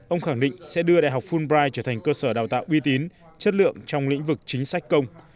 ông khẳng định sẽ đưa đại học fulbright trở thành cơ sở đào tạo uy tín chất lượng trong lĩnh vực chính sách công